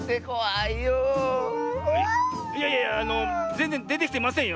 いやいやいやあのぜんぜんでてきてませんよ